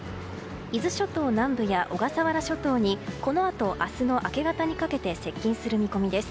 伊豆諸島南部や小笠原諸島にこのあと明日の明け方にかけて接近する見込みです。